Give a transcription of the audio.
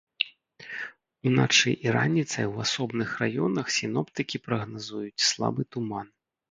Уначы і раніцай у асобных раёнах сіноптыкі прагназуюць слабы туман.